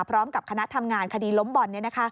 พร้อมกับคณะทำงานคดีล้มบอล